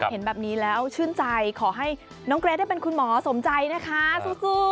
เห็นแบบนี้แล้วชื่นใจขอให้น้องเกรทได้เป็นคุณหมอสมใจนะคะสู้